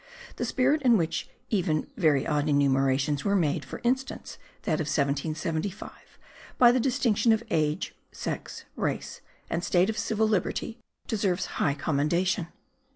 The spirit in which even very old enumerations were made, for instance that of 1775, by the distinction of age, sex, race, and state of civil liberty, deserves high commendation.